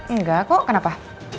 enggak kok kenapa